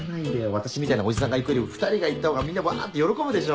私みたいなおじさんが行くよりも２人が行ったほうがみんなワって喜ぶでしょ。